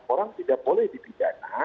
orang tidak boleh dipidana